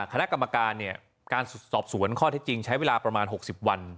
คณะกรรมการเนี่ยการสอบสวนข้อเท็จจริงใช้เวลาประมาณ๖๐วัน